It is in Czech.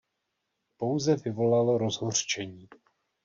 Pouze vyvolalo rozhořčení.